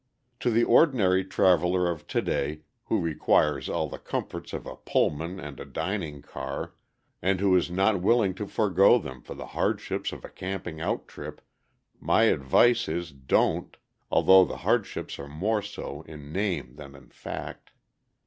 To the ordinary traveler of to day, who requires all the comforts of a Pullman and a dining car, and who is not willing to forego them for the hardships of a camping out trip, my advice is don't, although the hardships are more so in name than in fact.